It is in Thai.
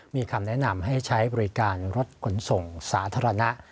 มีคำแนะนำให้ใช้บริการรถขนส่งสาธารณะ